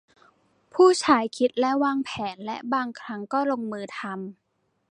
ผู้ชายคิดและวางแผนและบางครั้งก็ลงมือทำ